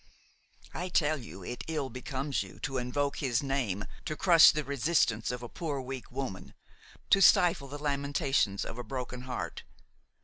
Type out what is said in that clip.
I tell you, it ill becomes you to invoke His name to crush the resistance of a poor, weak woman, to stifle the lamentations of a broken heart.